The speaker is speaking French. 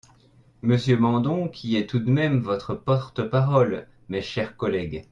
Monsieur Mandon qui est tout de même votre porte-parole, mes chers collègues.